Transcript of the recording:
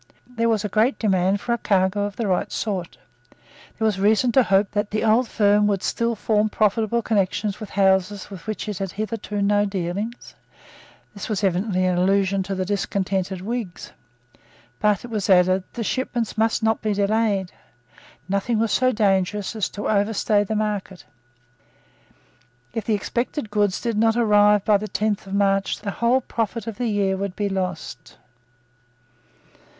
There was a great demand for a cargo of the right sort. There was reason to hope that the old firm would soon form profitable connections with houses with which it had hitherto had no dealings. This was evidently an allusion to the discontented Whigs. But, it was added, the shipments must not be delayed. Nothing was so dangerous as to overstay the market. If the expected goods did not arrive by the tenth of March, the whole profit of the year would be lost.